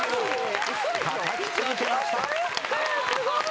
すごい。